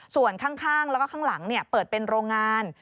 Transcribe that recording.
ส่วนข้างแล้วก็ข้างหลังเปิดเป็นโรงงาน